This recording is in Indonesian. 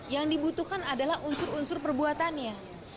yang dibutuhkan adalah unsur unsur perbuatannya